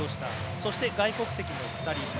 そして、外国籍の２人。